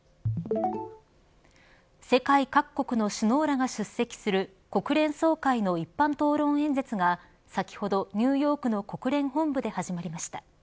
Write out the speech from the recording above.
世界各国の首脳らが出席する国連総会の一般討論演説が先ほどニューヨークの国連本部で始まりました。